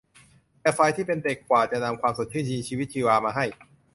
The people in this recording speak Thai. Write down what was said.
แต่ฝ่ายที่เป็นเด็กกว่าจะนำความสดชื่นมีชีวิตชีวามาให้